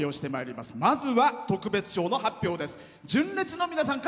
まずは、特別賞の発表です。